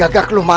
aku harus lenyap